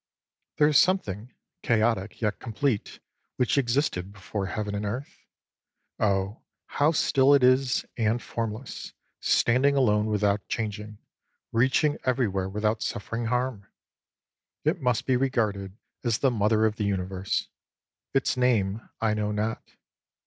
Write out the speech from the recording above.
There is something, chaotic yet complete, which existed before Heaven and Earth. Oh, how still it is, and formless, standing alone without chang ing, reaching everywhere without suffering harm ! It must be regarded as the Mother of the Universe. Its name I know not.